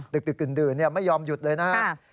ดึกดื่นไม่ยอมหยุดเลยนะครับ